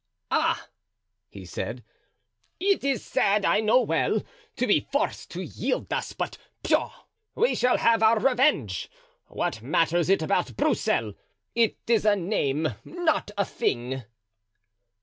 "Ah!" he said, "it is sad, I know well, to be forced to yield thus; but, pshaw! we shall have our revenge. What matters it about Broussel—it is a name, not a thing."